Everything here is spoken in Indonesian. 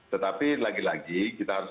tetapi lagi lagi kita harus